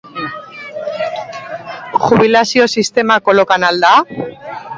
Jubilazio sistema kolokan al da?